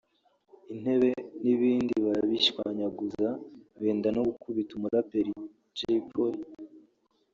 intebe n’ ibindi barabishwanyaguza benda no gukubita Umuraperi Jay polly